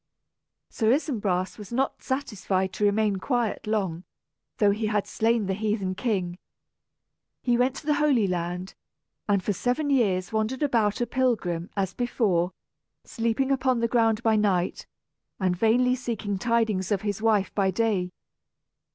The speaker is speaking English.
Sir Isumbras was not satisfied to remain quiet long, though he had slain the heathen king. He went to the Holy Land, and for seven years wandered about a pilgrim, as before, sleeping upon the ground by night, and vainly seeking tidings of his wife by day.